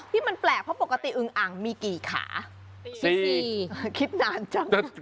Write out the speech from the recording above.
ที่มันแปลกเพราะปกติอึงอ่างมีกี่ขา๑๔คิดนานจัง